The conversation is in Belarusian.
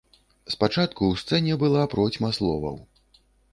Спачатку ў сцэне была процьма словаў.